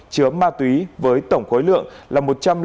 chứa ma túy với tổng khối lượng là một trăm linh kg